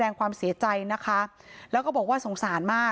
พระเจ้าที่อยู่ในเมืองของพระเจ้า